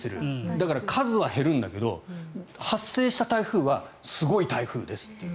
だから数は減るんだけど発生した台風はすごい台風ですという。